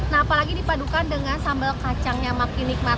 nah apalagi dipadukan dengan sambal kacang yang makin nikmat